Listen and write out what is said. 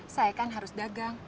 saya kan harus dagang